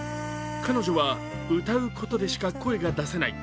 彼女は歌うことでしか声が出せない。